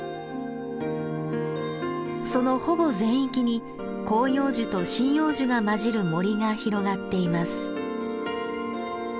そのほぼ全域に広葉樹と針葉樹が交じる森が広がっています。